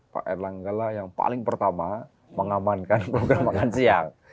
pak erlangga lah yang paling pertama mengamankan program makan siang